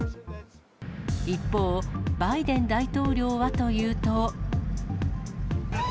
一方、バイデン大統領はというと。